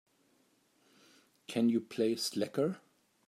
Can you play Slacker?